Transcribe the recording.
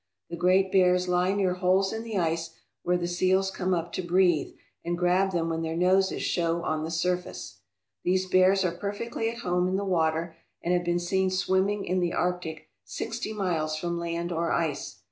The great bears lie near holes in the ice where the seals come up to breathe and grab them when their noses show on the surface. These bears are perfectly at home in the water, and have been seen swimming in the Arctic sixty miles from land or ice.